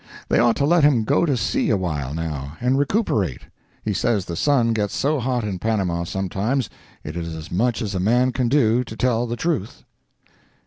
They ought to let him go to sea a while, now, and recuperate. He says the sun gets so hot in Panama, sometimes, it is as much as a man can do to tell the truth.